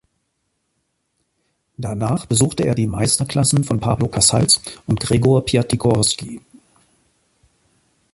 Danach besuchte er Meisterklassen von Pablo Casals und Gregor Piatigorsky.